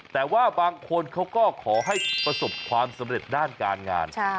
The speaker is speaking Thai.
แต่ว่าบางคนเขาก็ขอให้ประสบความสำเร็จด้านการงาน